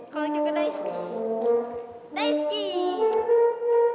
大好き！